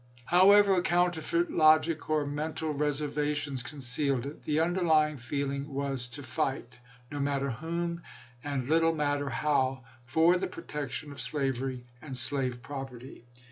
However counterfeit logic or mental reservations concealed it, the underlying feeling was to fight, no matter whom, and little matter how, for the pro tection of slavery and slave property.